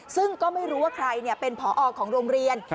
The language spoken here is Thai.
ซึ่งก็ไม่รู้ว่าใครเป็นผอของโรงเรียน